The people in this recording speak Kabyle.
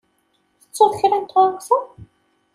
Tettuḍ kra n tɣawsa?